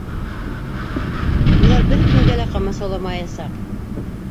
Улар бер кемгә лә ҡамасауламаясаҡ.